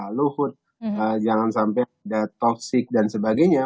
pak luhut jangan sampai ada toksik dan sebagainya